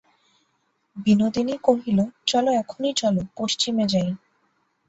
বিনোদিনী কহিল, চলো, এখনই চলো–পশ্চিমে যাই।